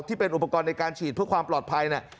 ที่เป็นอุปกรณ์ในการฉีดเพื่อความปลอดภัย